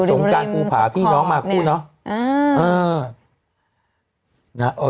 งการภูผาพี่น้องมาคู่เนาะ